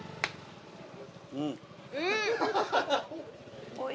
うん！